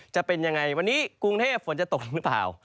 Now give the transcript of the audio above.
จะเป็นยังไงวันนี้กรุงเทพฝนจะตกหรือเปล่า